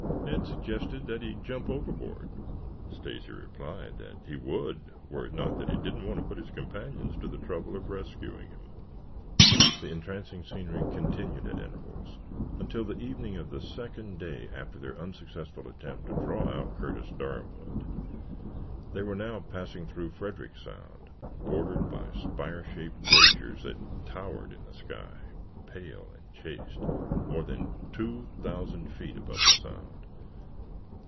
Ned suggested that he jump overboard. Stacy replied that he would were it not that he didn't want to put his companions to the trouble of rescuing him. The entrancing scenery continued at intervals until the evening of the second day after their unsuccessful attempt to draw out Curtis Darwood. They were now passing through Frederick Sound, bordered by spire shaped glaciers that towered in the sky, pale and chaste, more than two thousand feet above the sound.